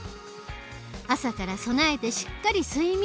朝から備えてしっかり睡眠。